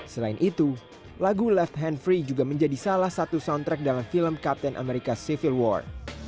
selain itu lagu left han free juga menjadi salah satu soundtrack dalam film kapten america civil war